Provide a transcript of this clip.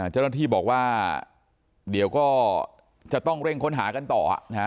เจ้าหน้าที่บอกว่าเดี๋ยวก็จะต้องเร่งค้นหากันต่อ